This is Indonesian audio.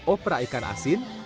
opera ikan asin